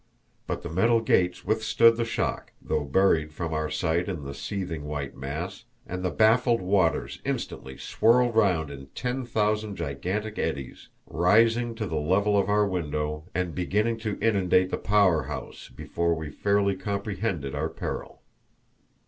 But the metal gates withstood the shock, though buried from our sight in the seething white mass, and the baffled waters instantly swirled round in ten thousand gigantic eddies, rising to the level of our window and beginning to inundate the power house before we fairly comprehended our peril.